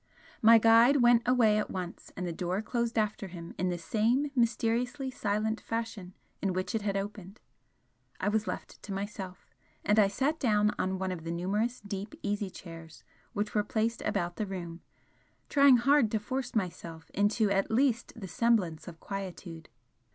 My guide went away at once, and the door closed after him in the same mysteriously silent fashion in which it had opened. I was left to myself, and I sat down on one of the numerous deep easy chairs which were placed about the room, trying hard to force myself into at least the semblance of quietude.